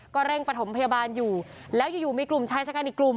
เร่งประถมพยาบาลอยู่แล้วอยู่อยู่มีกลุ่มชายชะกันอีกกลุ่ม